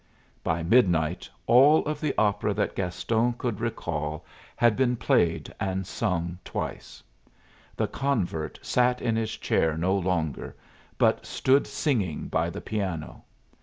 By midnight all of the opera that Gaston could recall had been played and sung twice. The convert sat in his chair no longer, but stood singing by the piano.